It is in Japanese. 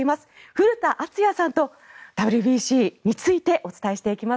古田敦也さんとＷＢＣについてお伝えしていきます。